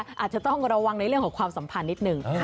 อาจจะต้องระวังในเรื่องของความสัมพันธ์นิดนึง